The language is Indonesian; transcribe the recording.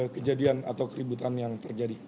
kejadian atau keributan yang terjadi